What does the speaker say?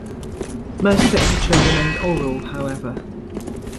Most literature remained oral, however.